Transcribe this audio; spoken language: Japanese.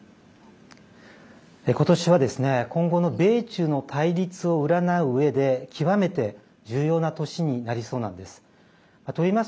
今年は今後の米中の対立を占ううえで極めて重要な年になりそうなんです。